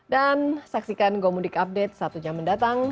dan saksikan gomudik update satu jam mendatang